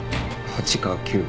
８か９